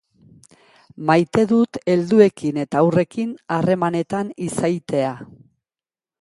Maite dut helduekin eta haurrekin harremanetan izaitea.